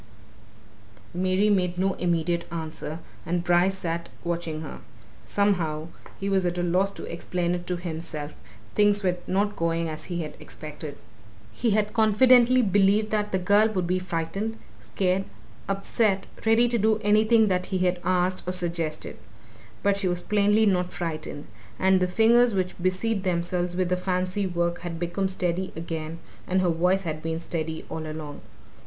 Mary made no immediate answer, and Bryce sat watching her. Somehow he was at a loss to explain it to himself things were not going as he had expected. He had confidently believed that the girl would be frightened, scared, upset, ready to do anything that he asked or suggested. But she was plainly not frightened. And the fingers which busied themselves with the fancy work had become steady again, and her voice had been steady all along.